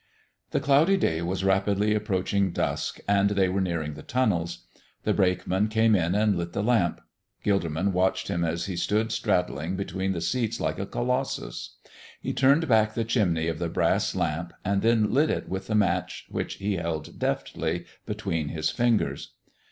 The cloudy day was rapidly approaching dusk and they were nearing the tunnels. The brakeman came in and lit the lamp. Gilderman watched him as he stood straddling between the seats like a colossus. He turned back the chimney of the brass lamp and then lit it with the match which he held deftly between his fingers.